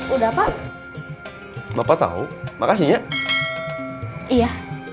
udah pak bapak tahu makasih ya iya